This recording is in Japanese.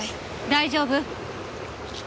大丈夫？